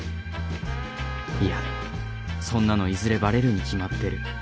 いやそんなのいずれバレるに決まってる。